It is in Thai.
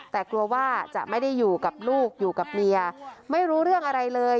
แต่กลัวว่าจะไม่ได้อยู่กับลูกอยู่กับเมียไม่รู้เรื่องอะไรเลย